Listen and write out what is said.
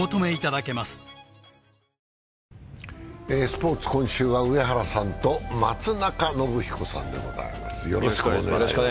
スポーツ、今週は上原さんと松中信彦さんでございます。